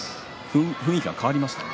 雰囲気が変わりましたね。